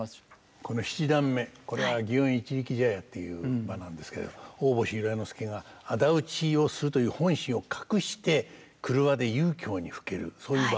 この七段目これは「園一力茶屋」っていう場なんですけど大星由良之助が仇討をするという本心を隠して廓で遊興にふけるそういう場面で。